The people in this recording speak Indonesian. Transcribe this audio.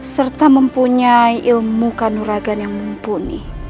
serta mempunyai ilmu kanuragan yang mumpuni